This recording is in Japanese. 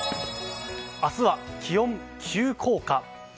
明日は気温急降下。